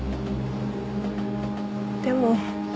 でも。